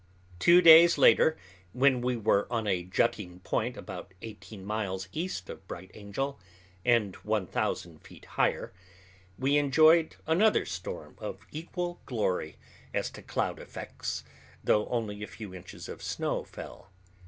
Two days later, when we were on a jutting point about eighteen miles east of Bright Angel and one thousand feet higher, we enjoyed another storm of equal glory as to cloud effects, though only a few inches of snow fell.